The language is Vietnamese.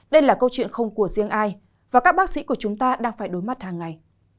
đây là câu chuyện không của riêng ai và các bác sĩ của chúng ta đang phải đối mặt hàng ngày